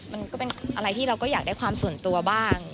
มันก็เป็นอะไรที่เราก็อยากได้ความส่วนตัวบ้าง